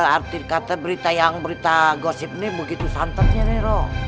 arti kata berita yang berita gosip ini begitu santetnya nih ro